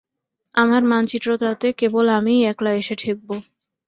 আমার মানচিত্রটাতে কেবল আমিই একলা এসে ঠেকব!